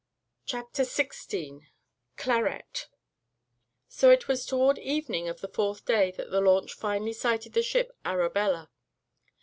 CHAPTER XVI CLARETTE So it was toward evening of the fourth day that the launch finally sighted the ship Arabella.